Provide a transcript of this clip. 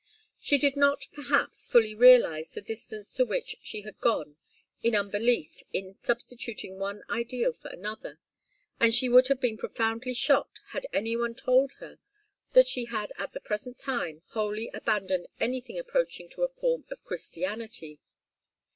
She did not, perhaps, fully realize the distance to which she had gone in unbelief in substituting one ideal for another; and she would have been profoundly shocked had any one told her that she had at the present time wholly abandoned anything approaching to a form of Christianity.